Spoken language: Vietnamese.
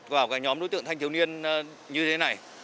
và các nhóm đối tượng thanh thiếu niên như thế này